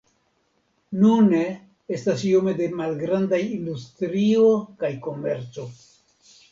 Nune estas iome da malgrandaj industrio kaj komerco.